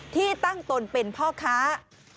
ที่ตั้งตนเป็นพ่อค้า